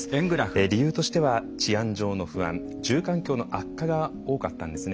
理由としては治安上の不安住環境の悪化が多かったんですね。